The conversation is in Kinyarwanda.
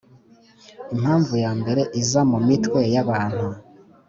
impamvu ya mbere iza mu mitwe y'abantu